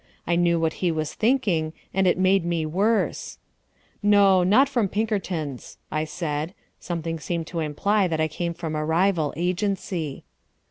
I knew what he was thinking, and it made me worse. "No, not from Pinkerton's," I said, seeming to imply that I came from a rival agency.